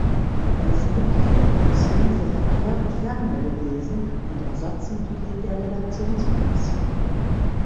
Er ist Mitglied der Kommission für Verkehr und Fernmeldewesen und Ersatzmitglied der Redaktionskommission.